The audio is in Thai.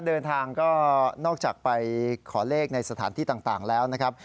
เดินทางก็นอกจากไปขอเลขในสถานที่ต่างแล้วนะครับ